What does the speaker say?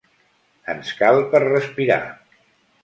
Ens cal per respirar.